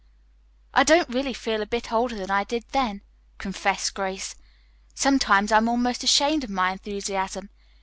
"I don't really feel a bit older than I did then," confessed Grace. "Sometimes I'm almost ashamed of my enthusiasm.